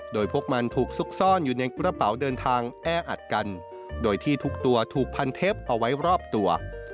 โดยพวกมันถูกซุกซ่อนอยู่ในกระเป๋าเดินทางแออัดกันโดยที่ทุกตัวถูกพันเทปเอาไว้รอบตัว